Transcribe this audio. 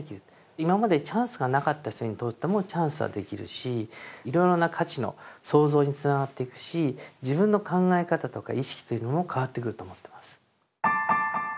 今までチャンスがなかった人にとってもチャンスはできるしいろいろな価値の創造につながっていくし自分の考え方とか意識というのも変わってくると思ってます。